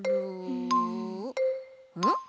ん？